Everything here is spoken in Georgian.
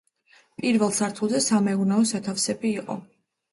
პირველ სართულზე სამეურნეო სათავსები იყო.